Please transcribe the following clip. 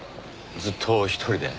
ずっと一人で？